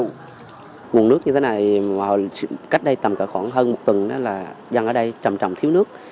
nguồn nước như thế này cách đây tầm cỡ khoảng hơn một tuần đó là dân ở đây trầm trọng thiếu nước